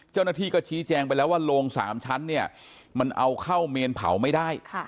เจ้าหน้าที่ก็ชี้แจงไปแล้วว่าโรง๓ชั้นเนี่ยมันเอาเข้าเมนเผาไม่ได้